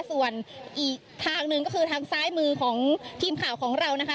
ส่วนอีกทางหนึ่งก็คือทางซ้ายมือของทีมข่าวของเรานะคะ